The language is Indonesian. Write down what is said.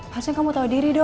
harusnya kamu tau diri dulu